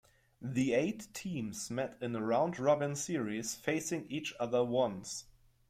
The eight teams met in a round-robin series, facing each other once.